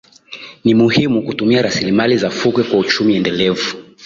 Ni muhimu kutumia rasilimali za fukwe kwa uchumi endelevu